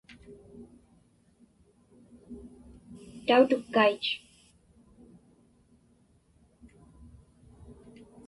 Tautukkait.